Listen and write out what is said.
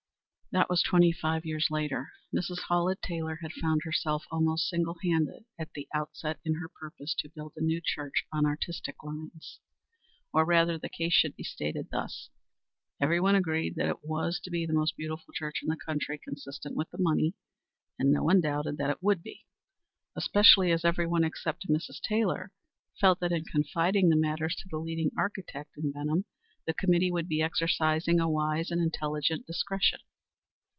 That was twenty five years later. Mrs. Hallett Taylor had found herself almost single handed at the outset in her purpose to build the new church on artistic lines. Or rather the case should be stated thus: Everyone agreed that it was to be the most beautiful church in the country, consistent with the money, and no one doubted that it would be, especially as everyone except Mrs. Taylor felt that in confiding the matter to the leading architect in Benham the committee would be exercising a wise and intelligent discretion.